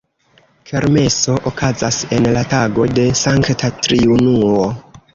Kermeso okazas en la tago de Sankta Triunuo.